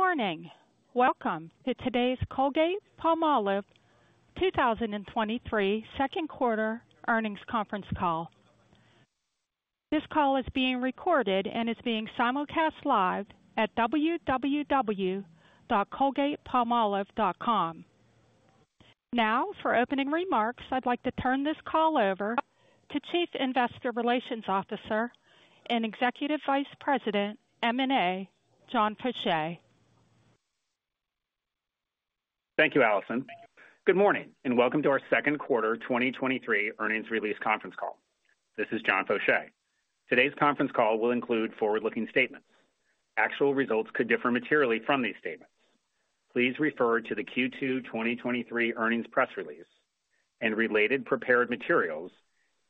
Good morning! Welcome to today's Colgate-Palmolive 2023 second quarter earnings conference call. Now for opening remarks, I'd like to turn this call over to Chief Investor Relations Officer and Executive Vice President, M&A, John Faucher. Thank you, Allison. Good morning, welcome to our second quarter 2023 earnings release conference call. This is John Faucher. Today's conference call will include forward-looking statements. Actual results could differ materially from these statements. Please refer to the Q2 2023 earnings press release and related prepared materials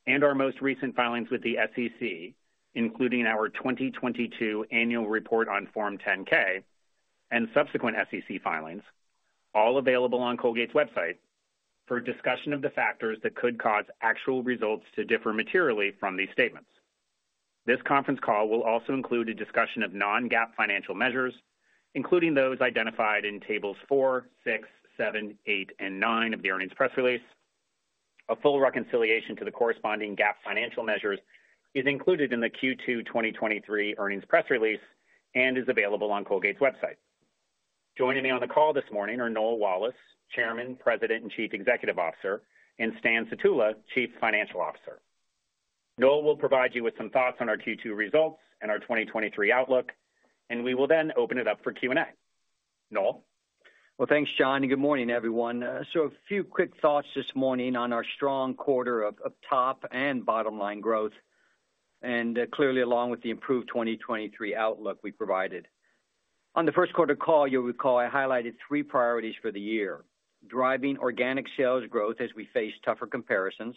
and our most recent filings with the SEC, including our 2022 annual report on Form 10-K and subsequent SEC filings, all available on Colgate's website, for a discussion of the factors that could cause actual results to differ materially from these statements. This conference call will also include a discussion of non-GAAP financial measures, including those identified in tables 4, 6, 7, 8 and 9 of the earnings press release. A full reconciliation to the corresponding GAAP financial measures is included in the Q2 2023 earnings press release and is available on Colgate's website. Joining me on the call this morning are Noel Wallace, Chairman, President, and Chief Executive Officer, and Stan Sutula, Chief Financial Officer. Noel will provide you with some thoughts on our Q2 results and our 2023 outlook, and we will then open it up for Q&A. Noel? Well, thanks, John, and good morning, everyone. So a few quick thoughts this morning on our strong quarter of top and bottom-line growth and clearly, along with the improved 2023 outlook we provided. On the first quarter call, you'll recall I highlighted 3 priorities for the year: driving organic sales growth as we face tougher comparisons,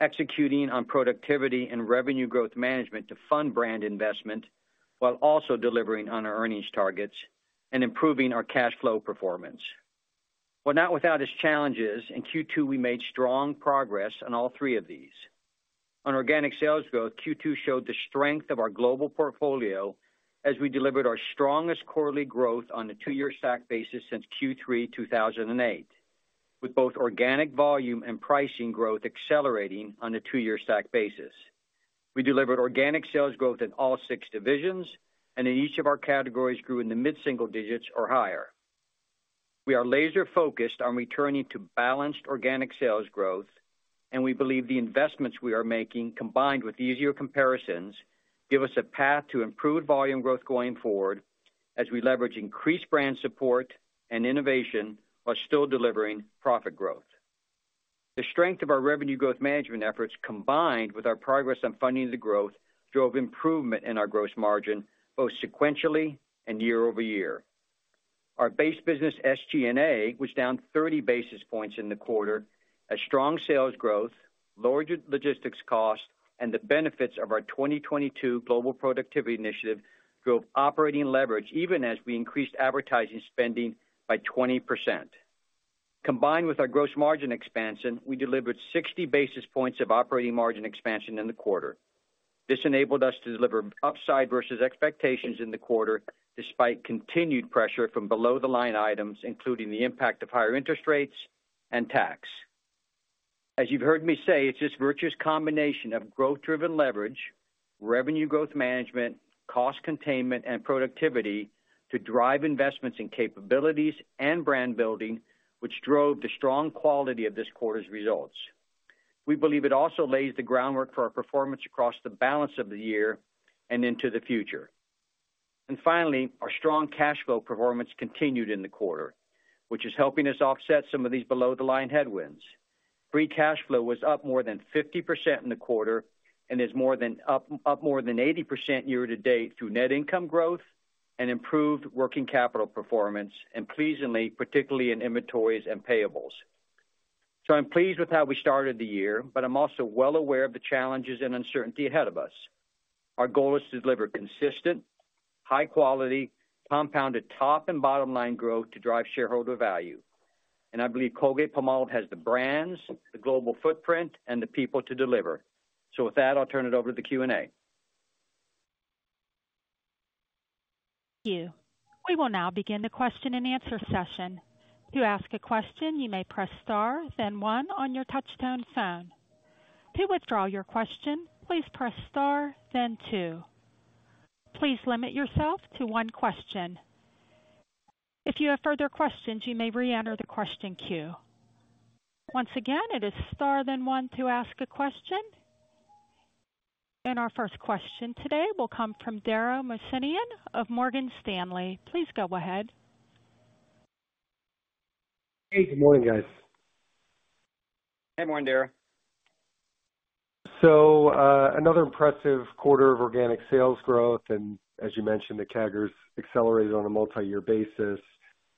executing on productivity and revenue growth management to fund brand investment, while also delivering on our earnings targets and improving our cash flow performance. Well, not without its challenges, in Q2, we made strong progress on all three of these. On organic sales growth, Q2 showed the strength of our global portfolio as we delivered our strongest quarterly growth on a 2-year stack basis since Q3 2008, with both organic volume and pricing growth accelerating on a 2-year stack basis. We delivered organic sales growth in all 6 divisions, and in each of our categories grew in the mid-single digits or higher. We are laser-focused on returning to balanced organic sales growth and we believe the investments we are making, combined with easier comparisons, give us a path to improved volume growth going forward as we leverage increased brand support and innovation while still delivering profit growth. The strength of our revenue growth management efforts, combined with our progress on Funding the Growth, drove improvement in our gross margin, both sequentially and year-over-year. Our base business, SG&A, was down 30 basis points in the quarter as strong sales growth, lower logistics costs, and the benefits of our 2022 global productivity initiative drove operating leverage, even as we increased advertising spending by 20%. Combined with our gross margin expansion, we delivered 60 basis points of operating margin expansion in the quarter. This enabled us to deliver upside versus expectations in the quarter, despite continued pressure from below-the-line items, including the impact of higher interest rates and tax. As you've heard me say, it's this virtuous combination of growth-driven leverage, revenue growth management, cost containment, and productivity to drive investments in capabilities and brand building, which drove the strong quality of this quarter's results. We believe it also lays the groundwork for our performance across the balance of the year and into the future. And finally, our strong cash flow performance continued in the quarter, which is helping us offset some of these below-the-line headwinds. Free cash flow was up more than 50% in the quarter and is up more than 80% year to date through net income growth and improved working capital performance, and pleasingly, particularly in inventories and payables. So I'm pleased with how we started the year, but I'm also well aware of the challenges and uncertainty ahead of us. Our goal is to deliver consistent, high quality, compounded top and bottom line growth to drive shareholder value. I believe Colgate-Palmolive has the brands, the global footprint, and the people to deliver. With that, I'll turn it over to the Q&A. Our first question today will come from Dara Mohsenian of Morgan Stanley. Please go ahead. Hey, good morning, guys. Hey, good morning, Dara. Another impressive quarter of organic sales growth, and as you mentioned, the CAGRs accelerated on a multiyear basis,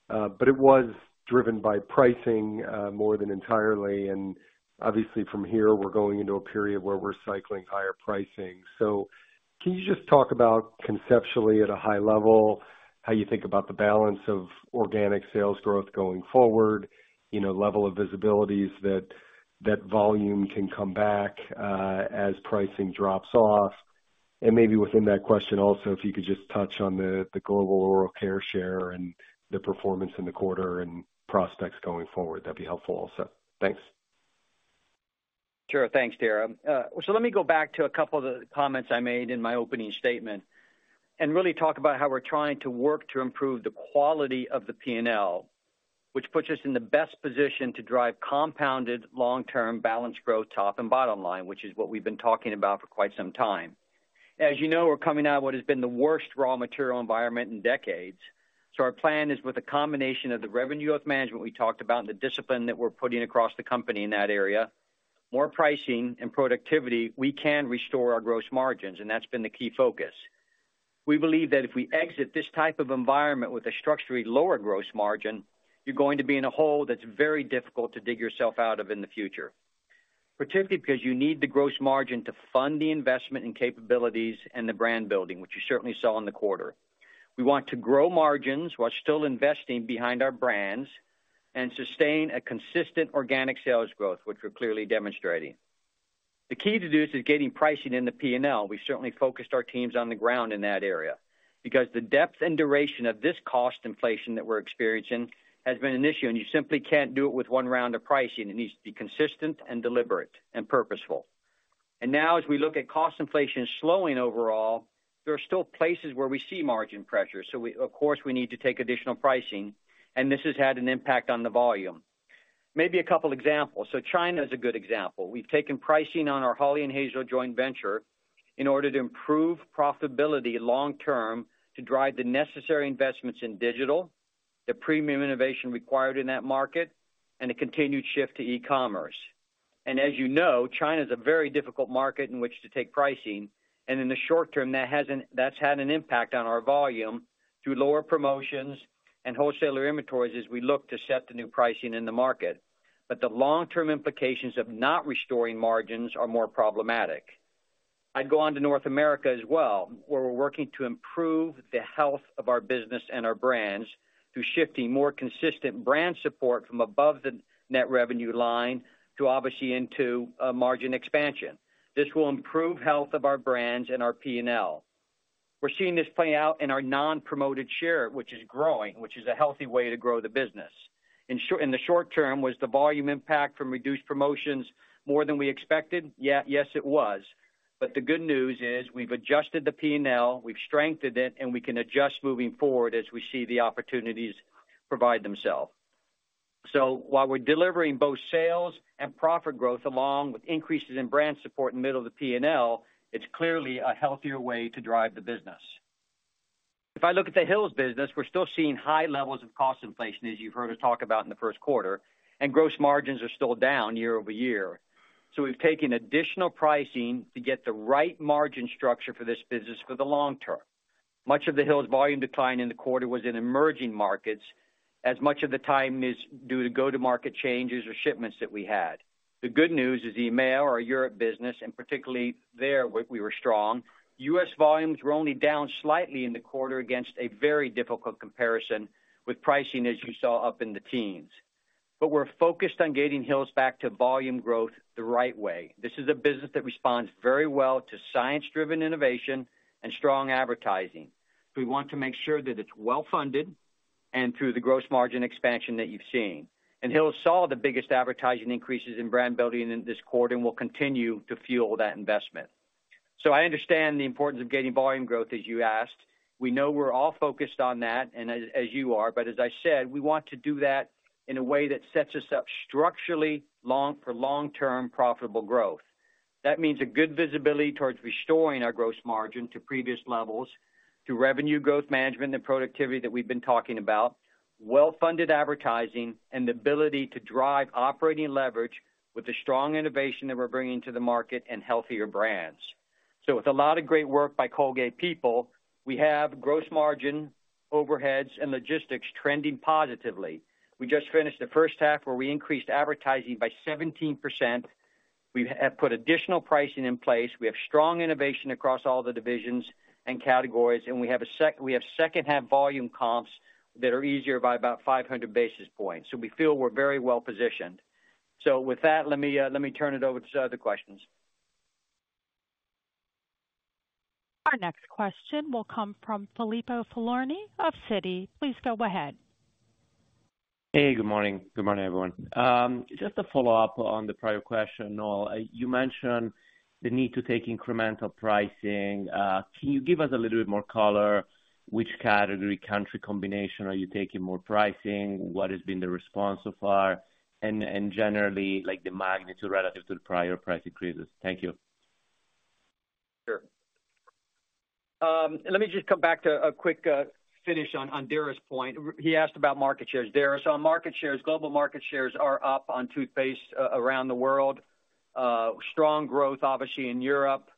but it was driven by pricing, more than entirely; and obviously from here, we're going into a period where we're cycling higher pricing. So can you just talk about, conceptually, at a high level, how you think about the balance of organic sales growth going forward, you know, level of visibilities that, that volume can come back as pricing drops off? And maybe within that question also, if you could just touch on the global oral care share and the performance in the quarter and prospects going forward, that'd be helpful also. Thanks. Sure. Thanks, Dara. Let me go back to a couple of the comments I made in my opening statement and really talk about how we're trying to work to improve the quality of the P&L, which puts us in the best position to drive compounded long-term balanced growth, top and bottom line, which is what we've been talking about for quite some time. As you know, we're coming out of what has been the worst raw material environment in decades. So our plan is with a combination of the revenue growth management we talked about and the discipline that we're putting across the company in that area, more pricing and productivity, we can restore our gross margins, and that's been the key focus. We believe that if we exit this type of environment with a structurally lower gross margin, you're going to be in a hole that's very difficult to dig yourself out of in the future, particularly because you need the gross margin to fund the investment in capabilities and the brand building, which you certainly saw in the quarter. We want to grow margins while still investing behind our brands and sustain a consistent organic sales growth, which we're clearly demonstrating. The key to do this is getting pricing in the P&L. We certainly focused our teams on the ground in that area, because the depth and duration of this cost inflation that we're experiencing has been an issue, and you simply can't do it with one round of pricing. It needs to be consistent and deliberate and purposeful. And now, as we look at cost inflation slowing overall, there are still places where we see margin pressure. So of course, we need to take additional pricing, and this has had an impact on the volume. Maybe a couple examples -- China is a good example. We've taken pricing on our Hawley and Hazel joint venture in order to improve profitability long term, to drive the necessary investments in digital, the premium innovation required in that market, and a continued shift to e-commerce. And as you know, China is a very difficult market in which to take pricing and in the short term, that's had an impact on our volume through lower promotions and wholesaler inventories as we look to set the new pricing in the market; but the long-term implications of not restoring margins are more problematic. I'd go on to North America as well, where we're working to improve the health of our business and our brands through shifting more consistent brand support from above the net revenue line to, obviously, into margin expansion. This will improve health of our brands and our P&L. We're seeing this play out in our non-promoted share, which is growing, which is a healthy way to grow the business. In the short term, was the volume impact from reduced promotions more than we expected? Yes, it was; but the good news is we've adjusted the P&L, we've strengthened it, and we can adjust moving forward as we see the opportunities provide themselves. So while we're delivering both sales and profit growth, along with increases in brand support in the middle of the P&L, it's clearly a healthier way to drive the business. If I look at the Hill's business, we're still seeing high levels of cost inflation, as you've heard us talk about in the first quarter, and gross margins are still down year-over-year. So we've taken additional pricing to get the right margin structure for this business for the long term. Much of the Hill's volume decline in the quarter was in emerging markets, as much of the time is due to go-to-market changes or shipments that we had. The good news is EMEA, our Europe business, and particularly there, we, we were strong. U.S. volumes were only down slightly in the quarter against a very difficult comparison with pricing, as you saw, up in the teens. We're focused on getting Hill's back to volume growth the right way. This is a business that responds very well to science-driven innovation and strong advertising. We want to make sure that it's well-funded and through the gross margin expansion that you've seen. Hill's saw the biggest advertising increases in brand building in this quarter, and we'll continue to fuel that investment. So I understand the importance of gaining volume growth, as you asked. We know we're all focused on that and as, as you are, but as I said, we want to do that in a way that sets us up structurally for long-term, profitable growth. That means a good visibility towards restoring our gross margin to previous levels, to revenue growth management and productivity that we've been talking about, well-funded advertising and the ability to drive operating leverage with the strong innovation that we're bringing to the market and healthier brands. With a lot of great work by Colgate people, we have gross margin, overheads, and logistics trending positively. We just finished the first half where we increased advertising by 17%. We have put additional pricing in place. We have strong innovation across all the divisions and categories, and we have second-half volume comps that are easier by about 500 basis points. We feel we're very well positioned. So with that, let me, let me turn it over to other questions. Our next question will come from Filippo Falorni of Citi. Please go ahead. Hey, good morning. Good morning, everyone. Just a follow-up on the prior question, Noel. You mentioned the need to take incremental pricing. Can you give us a little bit more color, which category, country combination are you taking more pricing? What has been the response so far? And generally, like the magnitude relative to the prior price increases. Thank you. Sure. Let me just come back to a quick finish on Dara's point. He asked about market shares, Dara. Market shares, global market shares are up on toothpaste around the world. Strong growth, obviously, in Europe,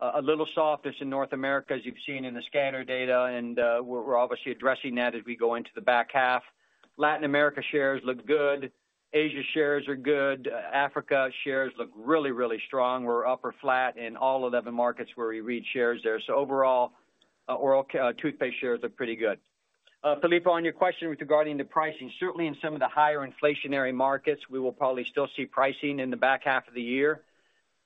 a little softness in North America, as you've seen in the scanner data, and we're, we're obviously addressing that as we go into the back half -- Latin America shares look good; Asia shares are good; Africa shares look really, really strong; We're up or flat in all 11 markets where we read shares there. Overall, toothpaste shares look pretty good. Filippo, on your question with regarding the pricing, certainly in some of the higher inflationary markets -- we will probably still see pricing in the back half of the year.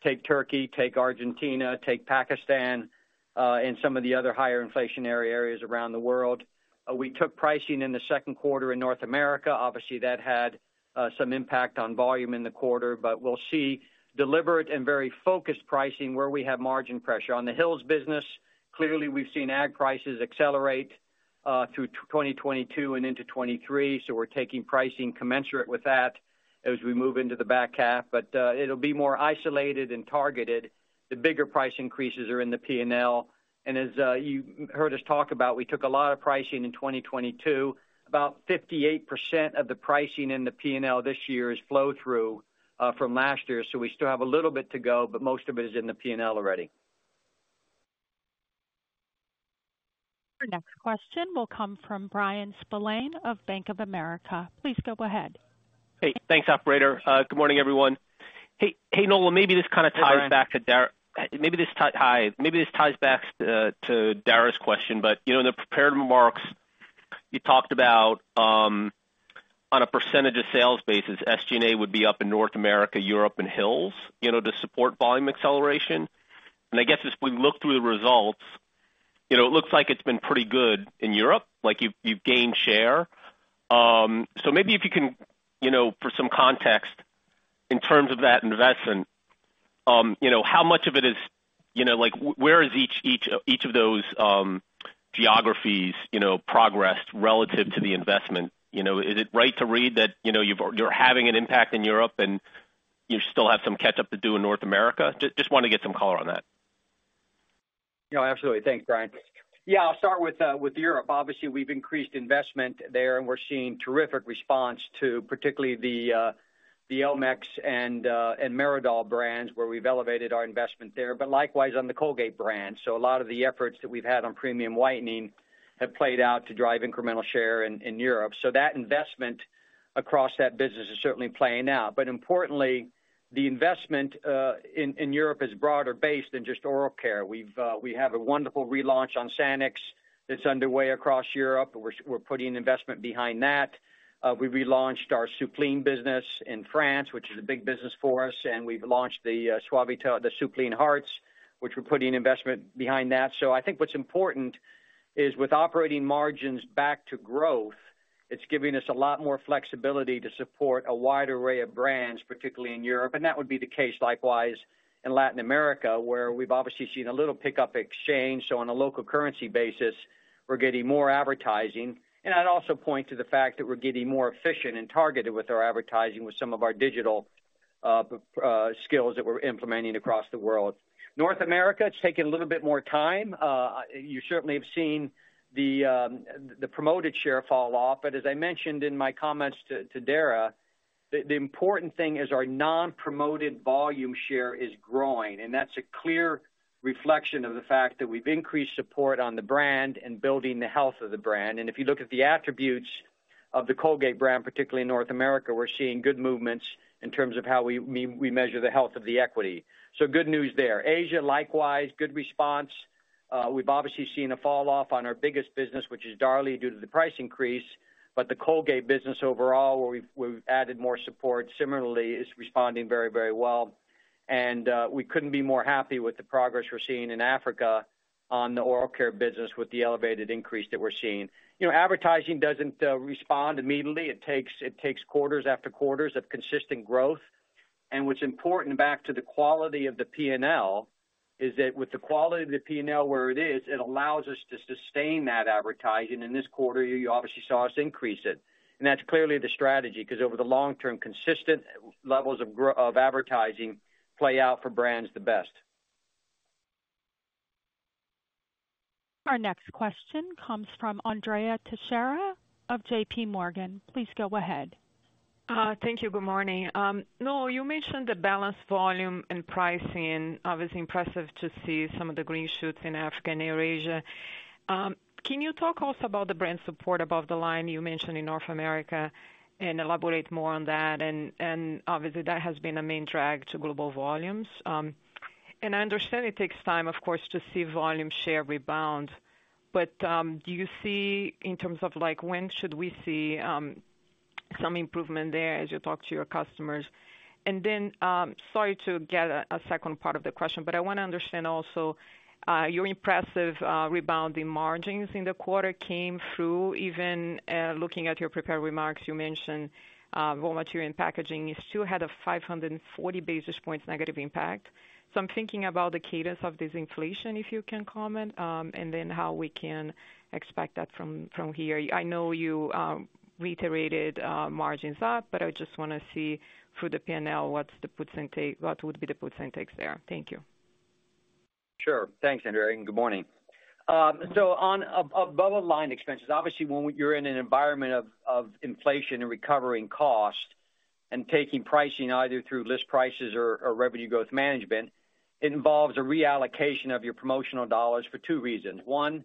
Take Turkey, take Argentina, take Pakistan, and some of the other higher inflationary areas around the world; we took pricing in the second quarter in North America, obviously, that had some impact on volume in the quarter, but we'll see deliberate and very focused pricing where we have margin pressure. On the Hill's business, clearly, we've seen ag prices accelerate through 2022 and into 2023, so we're taking pricing commensurate with that as we move into the back half; but it'll be more isolated and targeted. The bigger price increases are in the P&L; and as you heard us talk about, we took a lot of pricing in 2022 -- about 58% of the pricing in the P&L this year is flow-through, from last year, so we still have a little bit to go, but most of it is in the P&L already. Our next question will come from Bryan Spillane of Bank of America. Please go ahead. Hey, thanks, operator. Good morning, everyone. Hey, hey, Noel, maybe this kind of ties back- Hey, Bryan. Maybe this ties back to Dara's question, but, you know, in the prepared remarks, you talked about on a percentage of sales basis, SG&A would be up in North America, Europe and Hill's, you know, to support volume acceleration. And I guess as we look through the results, you know, it looks like it's been pretty good in Europe, like, you've, you've gained share. So maybe if you can, you know, for some context, in terms of that investment, you know, how much of it is... You know, like, where is each, each, each of those geographies, you know, progressed relative to the investment; You know, is it right to read that, you're having an impact in Europe, and you still have some catch-up to do in North America? Just want to get some color on that. No, absolutely. Thanks, Bryan. Yeah, I'll start with Europe. Obviously, we've increased investment there, and we're seeing terrific response to particularly the Elmex and Meridol brands -- where we've elevated our investment there, but likewise on the Colgate brand. A lot of the efforts that we've had on premium whitening have played out to drive incremental share in, in Europe. That investment across that business is certainly playing out. But importantly, the investment in Europe is broader based than just oral care -- we've, we have a wonderful relaunch on Sanex that's underway across Europe, and we're, we're putting investment behind that. We relaunched our Soupline business in France, which is a big business for us, and we've launched the Suavitel, the Soupline Hearts, which we're putting investment behind that. I think what's important is, with operating margins back to growth, it's giving us a lot more flexibility to support a wide array of brands, particularly in Europe. That would be the case likewise in Latin America, where we've obviously seen a little pickup exchange. On a local currency basis, we're getting more advertising; and i'd also point to the fact that we're getting more efficient and targeted with our advertising with some of our digital skills that we're implementing across the world -- North America, it's taking a little bit more time; you certainly have seen the, the promoted share fall off, but as I mentioned in my comments to, to Dara, the, the important thing is our non-promoted volume share is growing, and that's a clear reflection of the fact that we've increased support on the brand and building the health of the brand and if you look at the attributes of the Colgate brand, particularly in North America, we're seeing good movements in terms of how we, we, we measure the health of the equity. So good news there -- Asia, likewise, good response. We've obviously seen a fall off on our biggest business, which is Darlie, due to the price increase, but the Colgate business overall, where we've, we've added more support similarly, is responding very, very well. And we couldn't be more happy with the progress we're seeing in Africa on the oral care business with the elevated increase that we're seeing. You know, advertising doesn't respond immediately. It takes, it takes quarters-after-quarters of consistent growth. And what's important, back to the quality of the P&L, is that with the quality of the P&L where it is, it allows us to sustain that advertising and in this quarter, you obviously saw us increase it, and that's clearly the strategy, because over the long term, consistent levels of advertising play out for brands the best. Our next question comes from Andrea Teixeira of JP Morgan. Please go ahead. Thank you. Good morning. Noel, you mentioned the balanced volume and pricing, obviously impressive to see some of the green shoots in Africa and Eurasia. Can you talk also about the brand support above the line you mentioned in North America and elaborate more on that? And obviously, that has been a main drag to global volumes. And I understand it takes time, of course, to see volume share rebound, but do you see in terms of, like, when should we see some improvement there as you talk to your customers? And then, sorry to get a second part of the question, but I want to understand also your impressive rebound in margins in the quarter came through. Even looking at your prepared remarks, you mentioned raw material and packaging is still had a 540 basis points negative impact. So I'm thinking about the cadence of this inflation, if you can comment, and then how we can expect that from here; I know you reiterated margins up, but I just wanna see through the P&L, what would be the puts and takes there. Thank you. Sure. Thanks, Andrea, and good morning. On above line expenses, obviously, when you're in an environment of, of inflation and recovering costs and taking pricing either through list prices or, or revenue growth management -- it involves a reallocation of your promotional dollars for 2 reasons: 1 --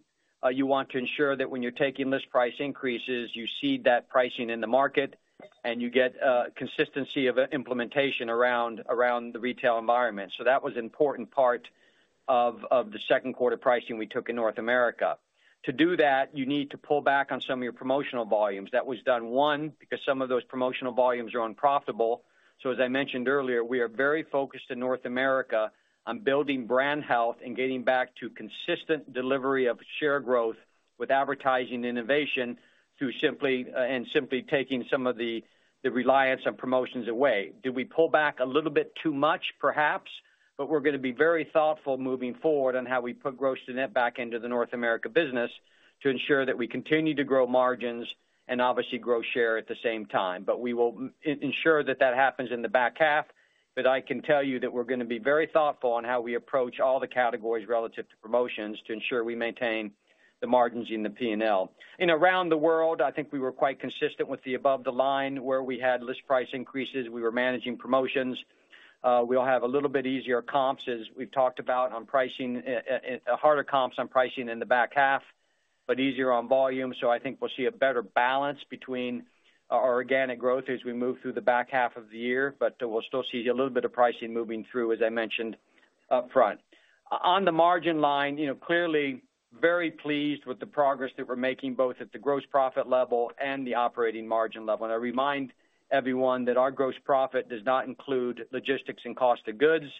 you want to ensure that when you're taking list price increases, you see that pricing in the market and you get consistency of implementation around, around the retail environment; so that was an important part of, of the second quarter pricing we took in North America.; to do that, you need to pull back on some of your promotional volumes. That was done, one, because some of those promotional volumes are unprofitable. As I mentioned earlier, we are very focused in North America on building brand health and getting back to consistent delivery of share growth with advertising innovation, through and simply taking some of the reliance on promotions away; did we pull back a little bit too much? Perhaps, but we're gonna be very thoughtful moving forward on how we put gross to net back into the North America business to ensure that we continue to grow margins and obviously grow share at the same time; but we will ensure that that happens in the back half, but I can tell you that we're gonna be very thoughtful on how we approach all the categories relative to promotions to ensure we maintain the margins in the P&L. Around the world, I think we were quite consistent with the above the line, where we had list price increases, we were managing promotions -- We'll have a little bit easier comps, as we've talked about on pricing, harder comps on pricing in the back half, but easier on volume so I think we'll see a better balance between our organic growth as we move through the back half of the year, but we'll still see a little bit of pricing moving through as I mentioned upfront. On the margin line, you know, clearly, very pleased with the progress that we're making -- both at the gross profit level and the operating margin level; I remind everyone that our gross profit does not include logistics and cost of goods;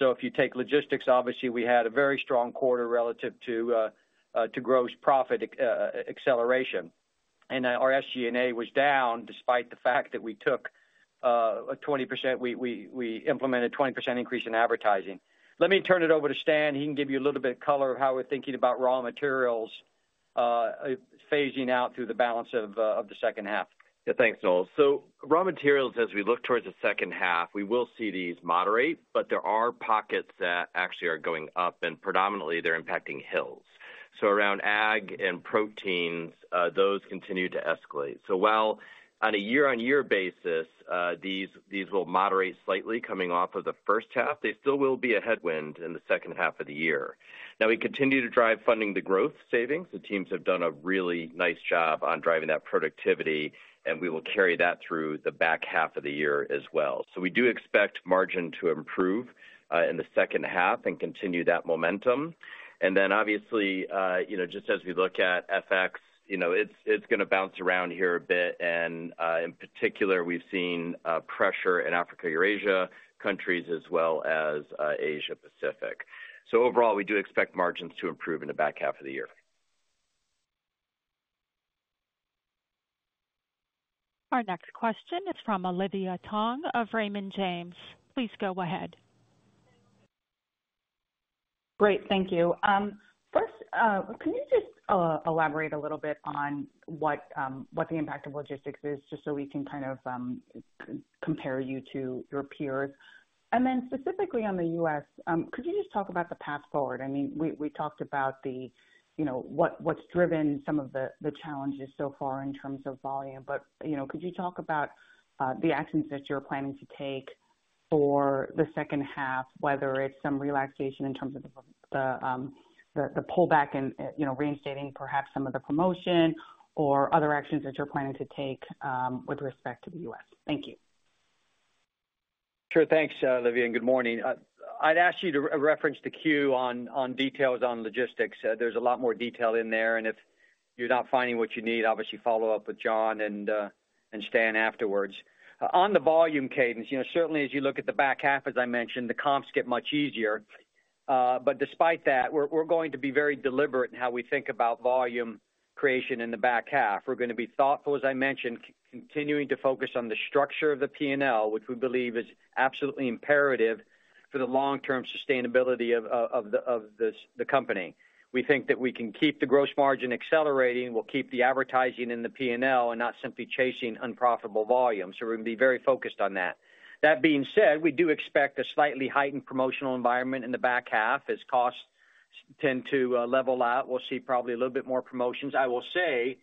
If you take logistics, obviously, we had a very strong quarter relative to gross profit acceleration and our SG&A was down, despite the fact that we took a 20%-- we implemented a 20% increase in advertising. Let me turn it over to Stan. He can give you a little bit of color of how we're thinking about raw materials, phasing out through the balance of the second half. Yeah, thanks, Noel. So raw materials, as we look towards the second half -- we will see these moderate, but there are pockets that actually are going up, and predominantly, they're impacting Hill's. So around ag and proteins, those continue to escalate; so while on a year-on-year basis, these, these will moderate slightly coming off of the first half, they still will be a headwind in the second half of the year. Now, we continue to drive Funding the Growth savings. The teams have done a really nice job on driving that productivity, and we will carry that through the back half of the year as well; so we do expect margin to improve in the second half and continue that momentum. Then, obviously, you know, just as we look at FX, you know, it's, it's gonna bounce around here a bit and in particular, we've seen, pressure in Africa, Eurasia countries, as well as, Asia Pacific; so overall, we do expect margins to improve in the back half of the year. Our next question is from Olivia Tong of Raymond James. Please go ahead. Great, thank you. First, can you just elaborate a little bit on what, what the impact of logistics is, just so we can kind of compare you to your peers? And then specifically on the U.S., could you just talk about the path forward? I mean, we, we talked about the, you know, what, what's driven some of the, the challenges so far in terms of volume, but, you know, could you talk about the actions that you're planning to take for the second half -- whether it's some relaxation in terms of the, the pullback and, you know, reinstating perhaps some of the promotion or other actions that you're planning to take with respect to the U.S.? Thank you. Sure. Thanks, Olivia, and good morning. I'd ask you to reference the 10-Q on, on details on logistics -- there's a lot more detail in there and if you're not finding what you need, obviously follow up with John and Stan afterwards. On the volume cadence, you know, certainly as you look at the back half, as I mentioned -- the comps get much easier; but despite that, we're, we're going to be very deliberate in how we think about volume creation in the back half -- we're gonna be thoughtful, as I mentioned -- continuing to focus on the structure of the P&L, which we believe is absolutely imperative for the long-term sustainability of the company; we think that we can keep the gross margin accelerating, we'll keep the advertising in the P&L and not simply chasing unprofitable volumes. We're gonna be very focused on that. That being said, we do expect a slightly heightened promotional environment in the back half; as costs tend to level out, we'll see probably a little bit more promotions. I will say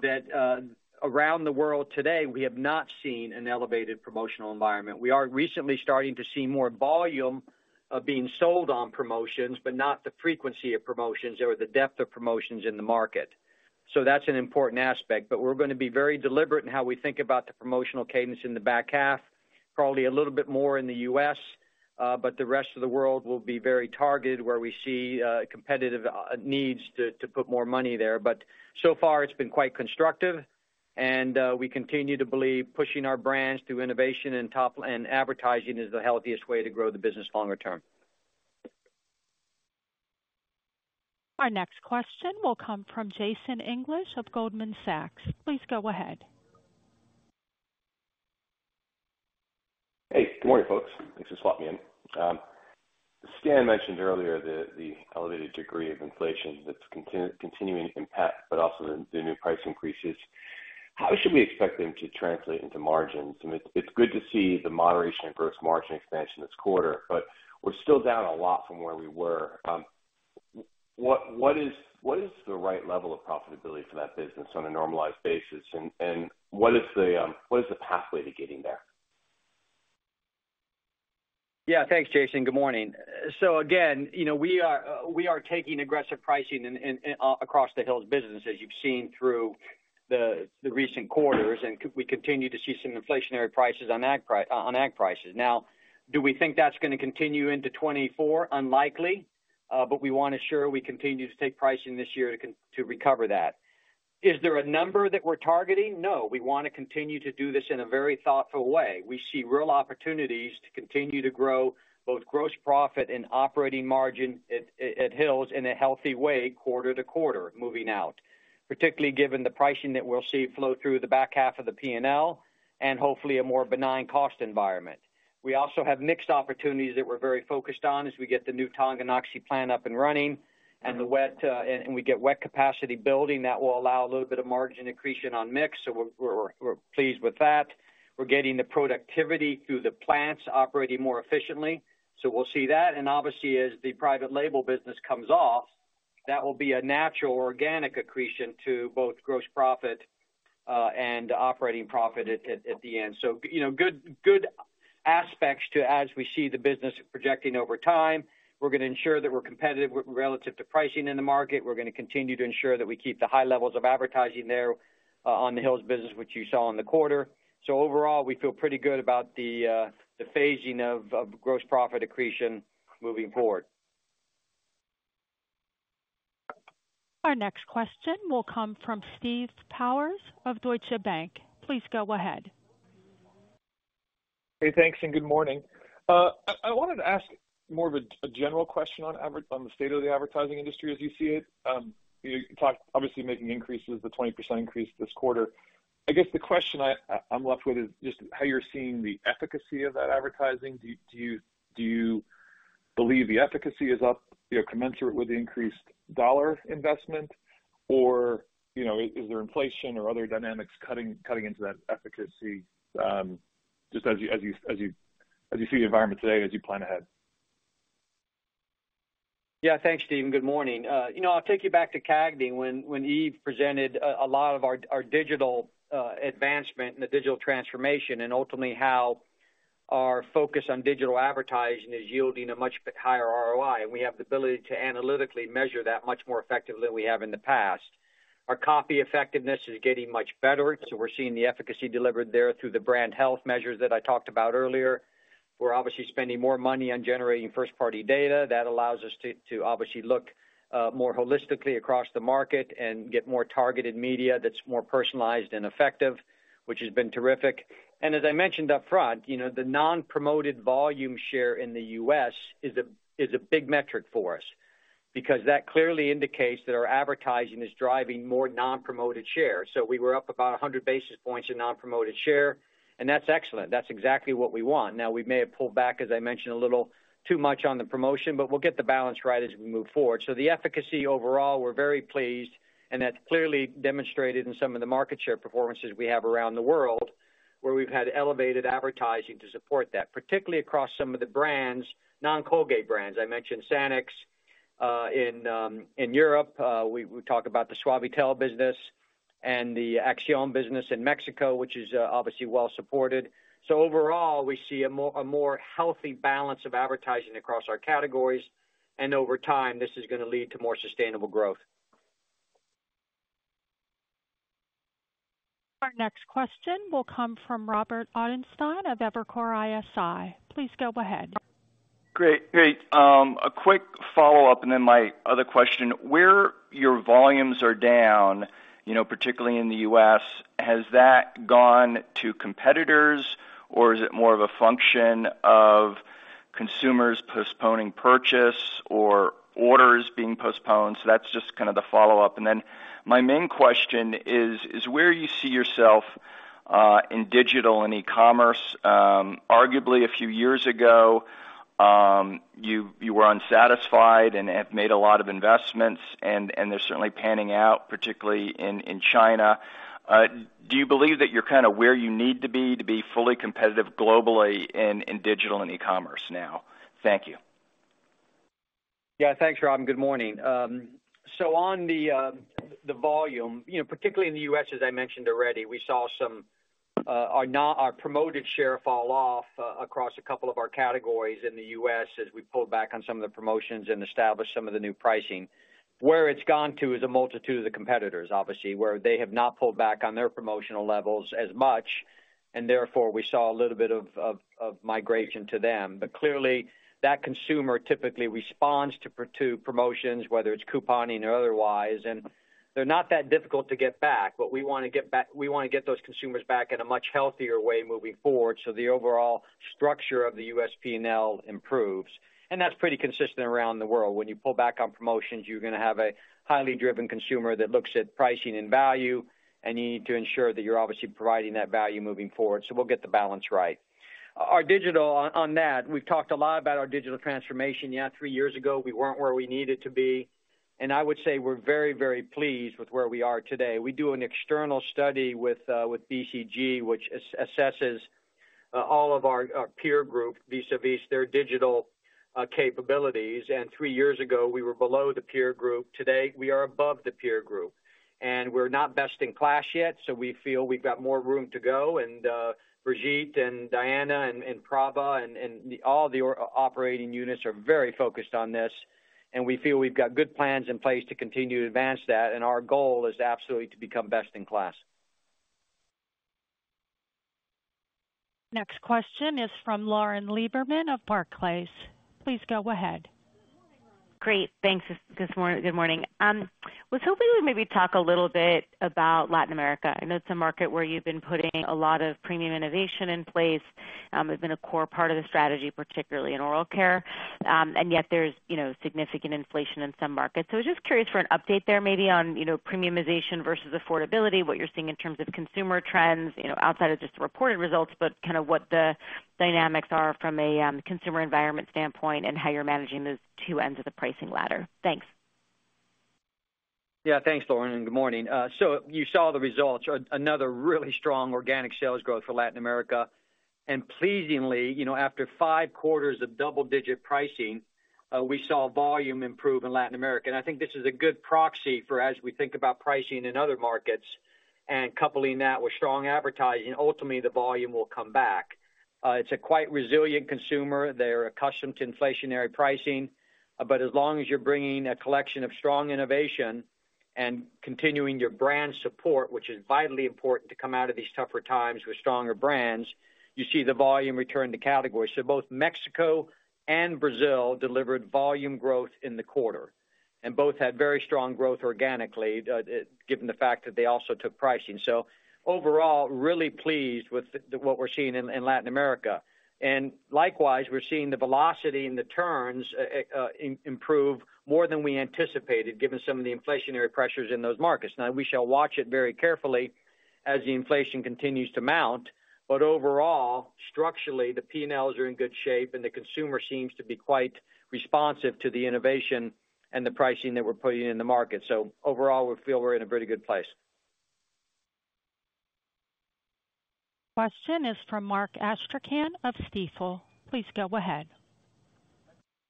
that around the world today, we have not seen an elevated promotional environment; we are recently starting to see more volume being sold on promotions, but not the frequency of promotions or the depth of promotions in the market; so that's an important aspect, but we're gonna be very deliberate in how we think about the promotional cadence in the back half. Probably a little bit more in the U.S., but the rest of the world will be very targeted, where we see competitive needs to put more money there. So far, it's been quite constructive, and we continue to believe pushing our brands through innovation and advertising is the healthiest way to grow the business longer term. Our next question will come from Jason English of Goldman Sachs. Please go ahead. Hey, good morning, folks. Thanks for swapping in. Stan mentioned earlier the, the elevated degree of inflation that's continuing to impact, but also the, the new price increases -- How should we expect them to translate into margins? I mean, it's, it's good to see the moderation in gross margin expansion this quarter, but we're still down a lot from where we were. What, what is, what is the right level of profitability for that business on a normalized basis? And what is the pathway to getting there? Yeah, thanks, Jason. Good morning. Again, you know, we are, we are taking aggressive pricing in, in, across the Hill's business -- as you've seen through the, the recent quarters, and we continue to see some inflationary prices on ag prices -- Do we think that's gonna continue into 2024 Unlikely; but we want to sure we continue to take pricing this year to recover that. Is there a number that we're targeting? No. We wanna continue to do this in a very thoughtful way. We see real opportunities to continue to grow both gross profit and operating margin at, at, at Hill's in a healthy way, quarter to quarter, moving out, particularly given the pricing that we'll see flow through the back half of the P&L and hopefully a more benign cost environment. We also have mixed opportunities that we're very focused on as we get the new Tonganoxie plant up and running and we get wet capacity building, that will allow a little bit of margin accretion on mix. We're, we're, we're pleased with that. We're getting the productivity through the plants operating more efficiently, so we'll see that and obviously, as the private label business comes off, that will be a natural organic accretion to both gross profit and operating profit at, at, at the end. You know, good, good aspects to as we see the business projecting over time; We're gonna ensure that we're competitive with relative to pricing in the market. We're gonna continue to ensure that we keep the high levels of advertising there on the Hill's business, which you saw in the quarter. Overall, we feel pretty good about the, the phasing of, of gross profit accretion moving forward. Our next question will come from Steve Powers of Deutsche Bank. Please go ahead. Hey, thanks, and good morning. I, I wanted to ask more of a, a general question on the state of the advertising industry as you see it. You talked, obviously, making increases, the 20% increase this quarter. I guess the question I, I, I'm left with is just how you're seeing the efficacy of that advertising. Do you, do you, do you believe the efficacy is up, you know, commensurate with the increased dollar investment? Or you know, is there inflation or other dynamics cutting, cutting into that efficacy, just as you, as you, as you, as you see the environment today, as you plan ahead? Yeah. Thanks, Steve, and good morning. You know, I'll take you back to CAGNY, when Yves presented a lot of our digital advancement and the digital transformation, and ultimately how our focus on digital advertising is yielding a much higher ROI (return on investment), and we have the ability to analytically measure that much more effectively than we have in the past; our copy effectiveness is getting much better, so we're seeing the efficacy delivered there through the brand health measures that I talked about earlier -- we're obviously spending more money on generating first-party data that allows us to obviously look more holistically across the market and get more targeted media that's more personalized and effective, which has been terrific. As I mentioned up front, you know, the non-promoted volume share in the U.S. is a big metric for us because that clearly indicates that our advertising is driving more non-promoted share; so we were up about 100 basis points in non-promoted share and that's excellent -- that's exactly what we want. We may have pulled back, as I mentioned, a little too much on the promotion, but we'll get the balance right as we move forward. The efficacy overall, we're very pleased and that's clearly demonstrated in some of the market share performances we have around the world, where we've had elevated advertising to support that, particularly across some of the brands, non-Colgate brands. I mentioned Sanex in Europe; We talked about the Suavitel business and the Axion business in Mexico, which is obviously well supported. Overall, we see a more, a more healthy balance of advertising across our categories, and over time, this is gonna lead to more sustainable growth. Our next question will come from Robert Ottenstein of Evercore ISI. Please go ahead. Great, great. A quick follow-up, my other question: Where your volumes are down, you know, particularly in the U.S., has that gone to competitors, or is it more of a function of consumers postponing purchase or orders being postponed? That's just kind of the follow-up. My main question is, is where you see yourself in digital and e-commerce? Arguably a few years ago, you, you were unsatisfied and have made a lot of investments, and, and they're certainly panning out, particularly in, in China. Do you believe that you're kind of where you need to be, to be fully competitive globally in, in digital and e-commerce now? Thank you. Yeah. Thanks, Rob. Good morning. On the volume, you know, particularly in the U.S. -- as I mentioned already, we saw our promoted share fall off across a couple of our categories in the U.S. as we pulled back on some of the promotions and established some of the new pricing. Where it's gone to is a multitude of the competitors, obviously, where they have not pulled back on their promotional levels as much and therefore, we saw a little bit of migration to them; clearly, that consumer typically responds to promotions, whether it's couponing or otherwise, and they're not that difficult to get back. We wanna get back, we wanna get those consumers back in a much healthier way moving forward so the overall structure of the U.S. P&L improves, and that's pretty consistent around the world. When you pull back on promotions, you're gonna have a highly driven consumer that looks at pricing and value, and you need to ensure that you're obviously providing that value moving forward. We'll get the balance right. Our digital, on that, we've talked a lot about our digital transformation -- 3 years ago, we weren't where we needed to be and I would say we're very, very pleased with where we are today. We do an external study with BCG, which assesses all of our, our peer group vis-a-vis their digital capabilities, and 3 years ago, we were below the peer group. Today, we are above the peer group, and we're not best-in-class yet, so we feel we've got more room to go. Brigitte and Diana and, and Prabha and, and all the operating units are very focused on this, and we feel we've got good plans in place to continue to advance that, and our goal is absolutely to become best-in-class. Next question is from Lauren Lieberman of Barclays. Please go ahead. Great, thanks. Good morning. I was hoping you would maybe talk a little bit about Latin America. I know it's a market where you've been putting a lot of premium innovation in place. It's been a core part of the strategy, particularly in oral care, and yet there's, you know, significant inflation in some markets. Just curious for an update there, maybe on, you know, premiumization versus affordability, what you're seeing in terms of consumer trends, you know, outside of just the reported results, but kind of what the dynamics are from a consumer environment standpoint and how you're managing those 2 ends of the pricing ladder? Thanks. Yeah, thanks, Lauren, and good morning. You saw the results, another really strong organic sales growth for Latin America. And pleasingly, you know, after 5 quarters of double-digit pricing, we saw volume improve in Latin America. I think this is a good proxy for as we think about pricing in other markets and coupling that with strong advertising, ultimately, the volume will come back. It's a quite resilient consumer. They're accustomed to inflationary pricing, but as long as you're bringing a collection of strong innovation and continuing your brand support, which is vitally important to come out of these tougher times with stronger brands, you see the volume return to category. Both Mexico and Brazil delivered volume growth in the quarter and both had very strong growth organically, given the fact that they also took pricing. Overall, really pleased with what we're seeing in Latin America. Likewise, we're seeing the velocity and the turns improve more than we anticipated, given some of the inflationary pressures in those markets. Now, we shall watch it very carefully as the inflation continues to mount, but overall, structurally, the P&Ls are in good shape, and the consumer seems to be quite responsive to the innovation and the pricing that we're putting in the market. Overall, we feel we're in a pretty good place. Question is from Mark Astrachan of Stifel. Please go ahead.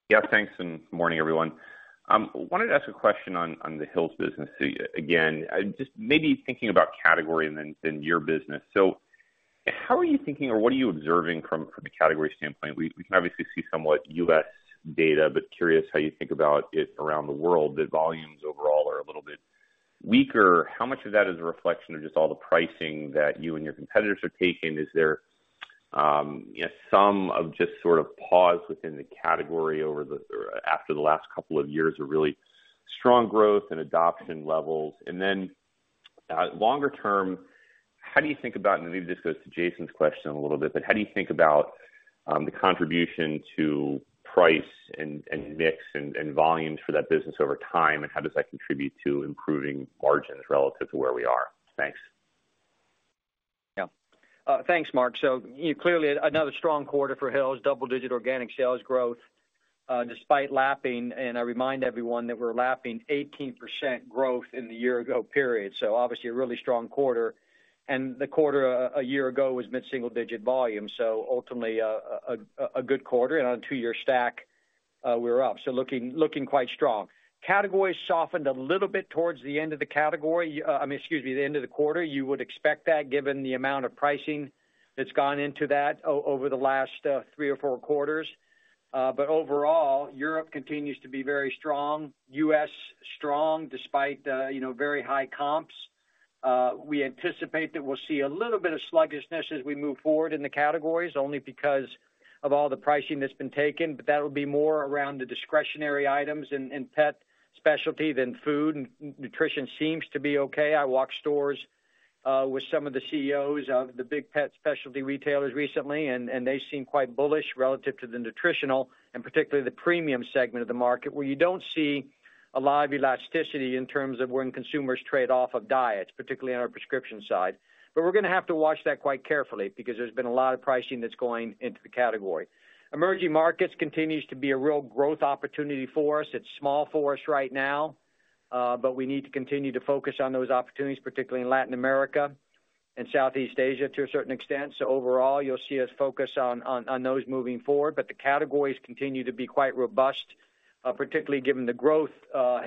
Yeah, thanks, morning, everyone. Wanted to ask a question on, on the Hill's business. Again, just maybe thinking about category and then in your business. How are you thinking -- or what are you observing from a category standpoint? We can obviously see somewhat U.S. data, but curious how you think about it around the world, that volumes overall are a little bit weaker. How much of that is a reflection of just all the pricing that you and your competitors are taking? Is there, you know, some of just sort of pause within the category over the-- after the last couple of years of really strong growth and adoption levels? Then, longer term, how do you think about -- and maybe this goes to Jason's question a little bit, but how do you think about the contribution to price and, and mix and, and volumes for that business over time, and how does that contribute to improving margins relative to where we are? Thanks. Yeah. Thanks, Mark. Clearly another strong quarter for Hill's. Double-digit organic sales growth, despite lapping, and I remind everyone that we're lapping 18% growth in the year ago period, so obviously a really strong quarter and the quarter a year ago was mid-single digit volume, so ultimately, a good quarter, and on a 2-year stack, we're up, so looking, looking quite strong. Categories softened a little bit towards the end of the category. I mean, excuse me, the end of the quarter. You would expect that given the amount of pricing that's gone into that over the last, three or four quarters. Overall, Europe continues to be very strong, U.S., strong, despite, you know, very high comps. We anticipate that we'll see a little bit of sluggishness as we move forward in the categories, only because of all the pricing that's been taken, but that'll be more around the discretionary items in, in pet specialty than food. Nutrition seems to be okay. I walked stores with some of the CEOs of the big pet specialty retailers recently, and they seem quite bullish relative to the nutritional and particularly the premium segment of the market, where you don't see a lot of elasticity in terms of when consumers trade off of diets, particularly on our prescription side. We're gonna have to watch that quite carefully because there's been a lot of pricing that's going into the category. Emerging markets continues to be a real growth opportunity for us. It's small for us right now, but we need to continue to focus on those opportunities, particularly in Latin America and Southeast Asia to a certain extent. Overall, you'll see us focus on, on, on those moving forward, the categories continue to be quite robust, particularly given the growth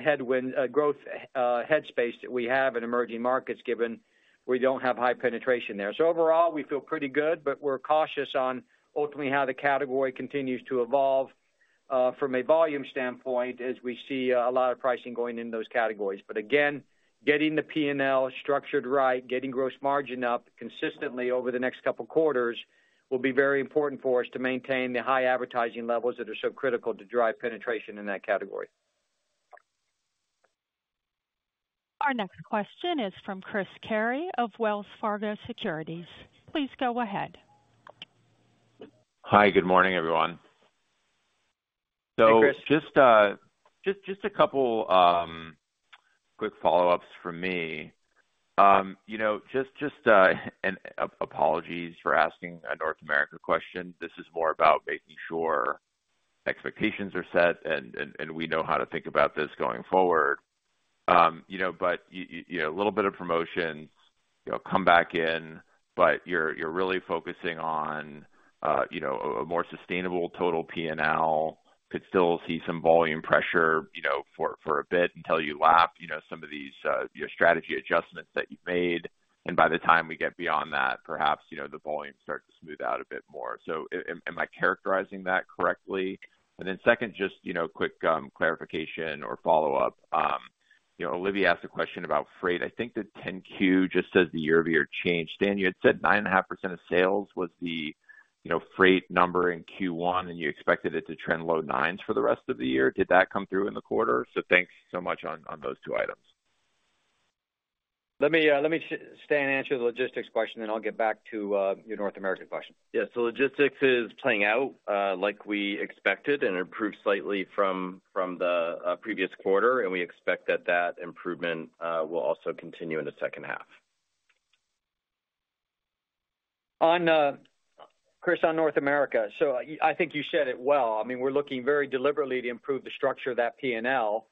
headwind -- growth headspace that we have in emerging markets, given we don't have high penetration there. Overall, we feel pretty good, but we're cautious on ultimately how the category continues to evolve, from a volume standpoint, as we see a lot of pricing going in those categories. Again, getting the P&L structured right, getting gross margin up consistently over the next couple quarters will be very important for us to maintain the high advertising levels that are so critical to drive penetration in that category. Our next question is from Christopher Carey of Wells Fargo Securities. Please go ahead. Hi, good morning, everyone. Just, just a couple quick follow-ups from me. You know, just -- just apologies for asking a North America question. This is more about making sure expectations are set and, and we know how to think about this going forward. You know, a little bit of promotion, you know, come back in, but you're, you're really focusing on, you know, a, a more sustainable total P&L. Could still see some volume pressure, you know, for, for a bit until you lap, you know, some of these, your strategy adjustments that you've made and by the time we get beyond that, perhaps, you know, the volume starts to smooth out a bit more. So, am I characterizing that correctly? Then second, just, you know, quick clarification or follow-up. You know, Olivia asked a question about freight. I think the 10-Q just says the year-over-year change. Stan, you had said 9.5% of sales was the, you know, freight number in Q1, and you expected it to trend low 9s for the rest of the year. Did that come through in the quarter? Thanks so much on, on those 2 items. Let me -- let me Stan, answer the logistics question, then I'll get back to your North America question. Yeah. logistics is playing out, like we expected, and it improved slightly from, from the previous quarter, and we expect that that improvement, will also continue in the second half. Chris, on North America. I, I think you said it well. I mean, we're looking very deliberately to improve the structure of that P&L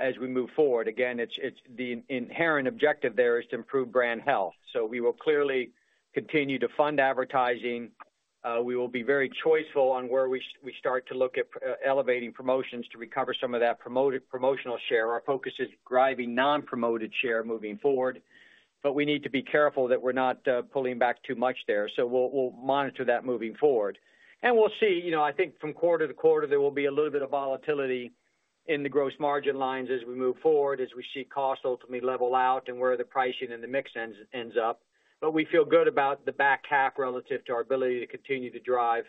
as we move forward. Again, it's -- it's the inherent objective there is to improve brand health. We will clearly continue to fund advertising. We will be very choiceful on where we we start to look at elevating promotions to recover some of that promotional share. Our focus is driving non-promoted share moving forward, but we need to be careful that we're not pulling back too much there. So, we'll monitor that moving forward. We'll see, you know, I think from quarter to quarter, there will be a little bit of volatility in the gross margin lines as we move forward, as we see costs ultimately level out and where the pricing and the mix ends up. We feel good about the back half relative to our ability to continue to drive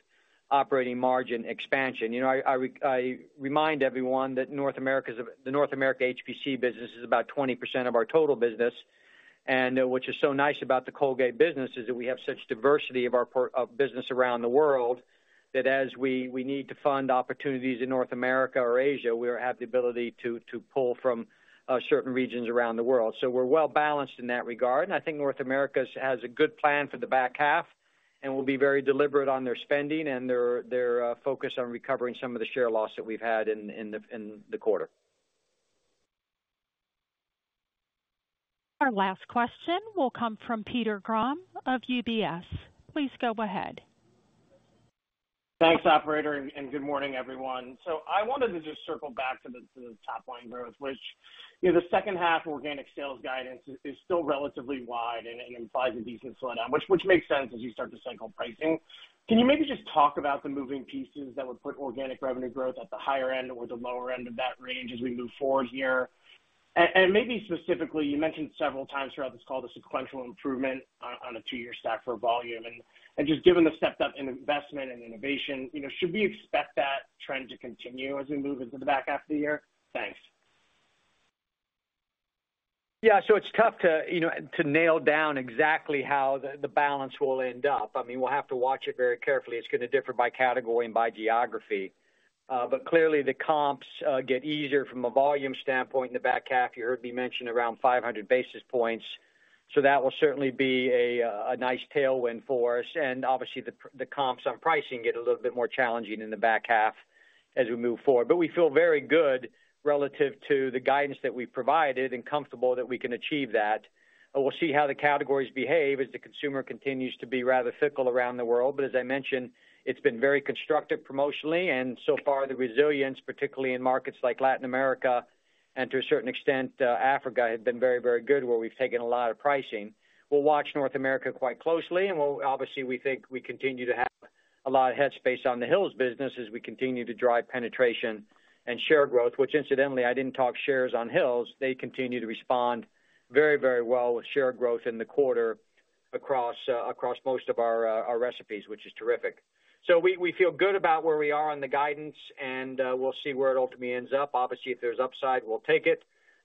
operating margin expansion. You know, I remind everyone that North America's -- the North America HPC business is about 20% of our total business and what is so nice about the Colgate business is that we have such diversity of business around the world, that as we need to fund opportunities in North America or Asia, we have the ability to pull from certain regions around the world. We're well-balanced in that regard, and I think North America has, has a good plan for the back half and will be very deliberate on their spending and their focus on recovering some of the share loss that we've had in the quarter. Our last question will come from Peter Grom of UBS. Please go ahead. Thanks, operator, and, and good morning, everyone. I wanted to just circle back to the, to the top line growth, which, you know, the 2nd half organic sales guidance is, is still relatively wide and, and implies a decent slowdown, which, which makes sense as you start to cycle pricing. Can you maybe just talk about the moving pieces that would put organic revenue growth at the higher end or the lower end of that range as we move forward here? Maybe specifically, you mentioned several times throughout this call, the sequential improvement on, on a 2-year stack for volume. Just given the stepped up in investment and innovation, you know, should we expect that trend to continue as we move into the back half of the year? Thanks. Yeah, it's tough to, you know, to nail down exactly how the, the balance will end up. I mean, we'll have to watch it very carefully. It's gonna differ by category and by geography. But clearly, the comps get easier from a volume standpoint in the back half. You heard me mention around 500 basis points, so that will certainly be a nice tailwind for us. And obviously, the comps on pricing get a little bit more challenging in the back half as we move forward. We feel very good relative to the guidance that we've provided and comfortable that we can achieve that. We'll see how the categories behave as the consumer continues to be rather fickle around the world. As I mentioned, it's been very constructive promotionally, and so far, the resilience, particularly in markets like Latin America and to a certain extent, Africa, have been very, very good where we've taken a lot of pricing. We'll watch North America quite closely, and we'll obviously, we think we continue to have a lot of head space on the Hill's business as we continue to drive penetration and share growth, which incidentally, I didn't talk shares on Hill's. They continue to respond very, very well with share growth in the quarter across most of our recipes, which is terrific. We, we feel good about where we are on the guidance, and we'll see where it ultimately ends up. Obviously, if there's upside, we'll take it,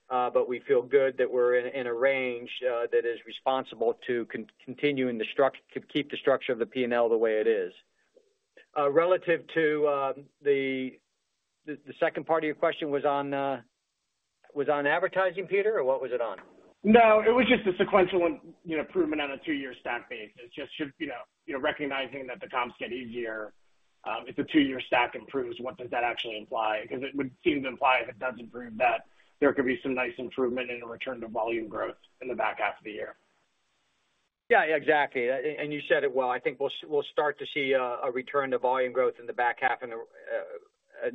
but we feel good that we're in a range, that is responsible to continuing the structure to keep the structure of the P&L the way it is. Relative to, the, the second part of your question -- was on advertising, Peter, or what was it on? No, it was just the sequential, you know, improvement on a 2-year stack base. It just should, you know, you know, recognizing that the comps get easier, if the 2-year stack improves, what does that actually imply? Because it would seem to imply if it does improve, that there could be some nice improvement in the return to volume growth in the back half of the year. Yeah, exactly. You said it well. I think we'll start to see a return to volume growth in the back half, in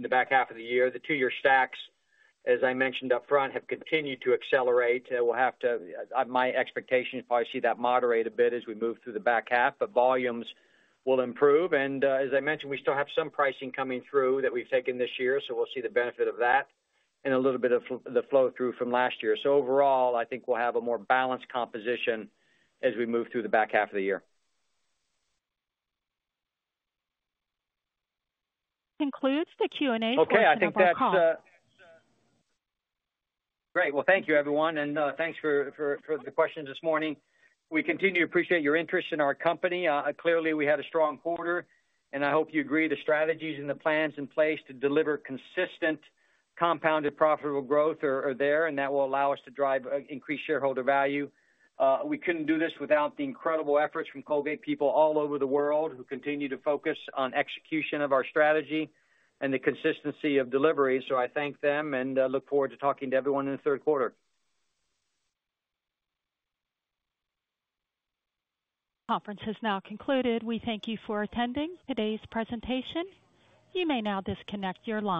the back half of the year. The 2-year stacks, as I mentioned up front, have continued to accelerate. We'll have to -- my expectation, if I see that moderate a bit as we move through the back half, volumes will improve and as I mentioned, we still have some pricing coming through that we've taken this year, we'll see the benefit of that and a little bit of the flow through from last year. Overall, I think we'll have a more balanced composition as we move through the back half of the year. Okay, I think that's Great. Thank you, everyone, thanks for, for, for the questions this morning. We continue to appreciate your interest in our company. Clearly, we had a strong quarter and I hope you agree the strategies and the plans in place to deliver consistent compounded profitable growth are there, that will allow us to drive increased shareholder value. We couldn't do this without the incredible efforts from Colgate people all over the world who continue to focus on execution of our strategy and the consistency of delivery. I thank them look forward to talking to everyone in the third quarter. Conference has now concluded. We thank you for attending today's presentation. You may now disconnect your line.